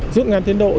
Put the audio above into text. giúp ngăn tuyến độ